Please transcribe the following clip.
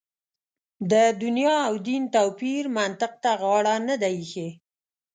د دنیا او دین توپیر منطق ته غاړه نه ده اېښې.